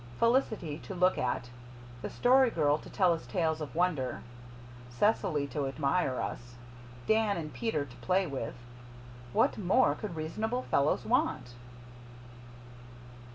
Felicity to look at the Story Girl to tell us tales of wonder Cecily to admire us Dan and Peter to play with what more could reasonable fellows want?